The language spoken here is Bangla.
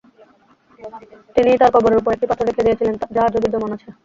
তিনিই তার কবরের উপর একটি পাথর রেখে দিয়েছিলেন যা আজও বিদ্যমান আছে।